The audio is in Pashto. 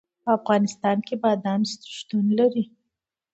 په افغانستان کې بادام شتون لري.